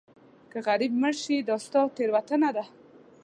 که غریب مړ شې دا ستا تېروتنه ده.